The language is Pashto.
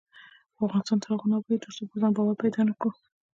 افغانستان تر هغو نه ابادیږي، ترڅو پر ځان باور پیدا نکړو.